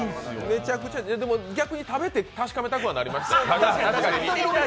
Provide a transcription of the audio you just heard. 逆に食べて確かめたくはなりましたよ。